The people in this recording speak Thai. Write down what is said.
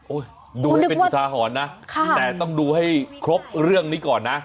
ดูให้เป็นอุทาหรณ์นะแต่ต้องดูให้ครบเรื่องนี้ก่อนนะ